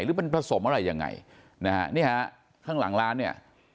หรือมันผสมอะไรยังไงนะฮะนี่ฮะข้างหลังร้านเนี่ย